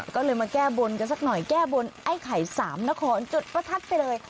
ก็เลยมาแก้บนกันสักหน่อยแก้บนไอ้ไข่สามนครจุดประทัดไปเลย